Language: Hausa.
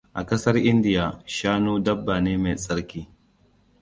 A kasar India, shanu dabba ne mai tsarki.